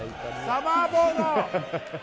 サマーボード！